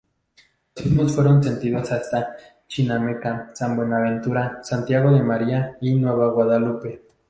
Los sismos fueron sentidos hasta Chinameca, San Buenaventura, Santiago de María, y Nueva Guadalupe.